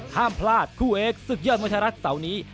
ห้ามพลาดคู่เอกศึกยอดมวยไทยรัฐเสาร์นี้